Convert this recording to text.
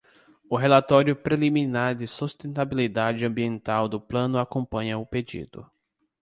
O relatório preliminar de sustentabilidade ambiental do plano acompanha o pedido.